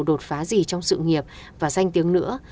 đột phá gì trong sự nghiệp và danh tiếng nữa